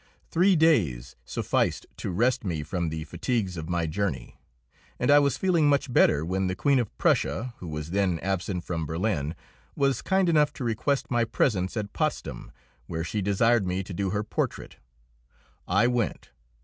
Three days sufficed to rest me from the fatigues of my journey, and I was feeling much better when the Queen of Prussia, who was then absent from Berlin, was kind enough to request my presence at Potsdam, where she desired me to do her portrait. I went.